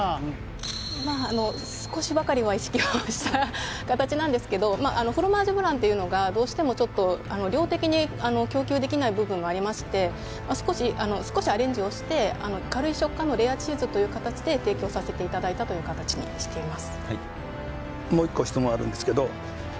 まああの少しばかりは意識をした形なんですけどフロマージュブランっていうのがどうしてもちょっと量的に供給できない部分もありまして少しアレンジをして軽い食感のレアチーズという形で提供させていただいたという形にしています